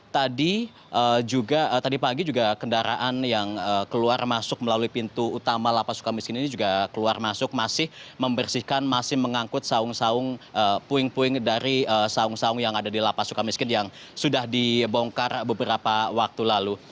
tadi juga tadi pagi juga kendaraan yang keluar masuk melalui pintu utama lapas suka miskin ini juga keluar masuk masih membersihkan masih mengangkut saung saung puing puing dari saung saung yang ada di lapas suka miskin yang sudah dibongkar beberapa waktu lalu